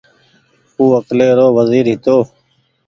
او اڪلي رو وزير هيتو